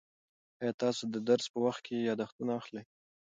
آیا تاسو د درس په وخت کې یادښتونه اخلئ؟